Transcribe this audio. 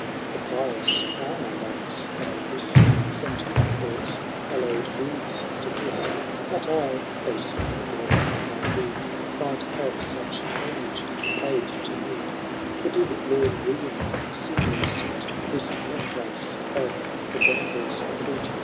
^ The pious Palmer loves, I wis, Saint Cuthbert's hallowed beads to kiss ; But I, though simple girl I be, Might have such homage paid to me ; For did Lord William see me suit This necklace of the bramble's fruit.